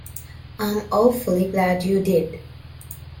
I'm awfully glad you did.